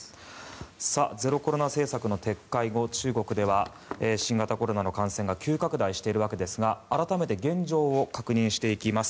ゼロコロナ政策の撤回後中国では新型コロナの感染が急拡大しているわけですが改めて現状を確認していきます。